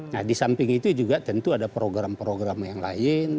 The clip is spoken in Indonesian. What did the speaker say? nah di samping itu juga tentu ada program program yang lain